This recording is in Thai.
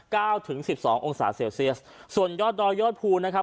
ถึงสิบสององศาเซลเซียสส่วนยอดดอยยอดภูนะครับ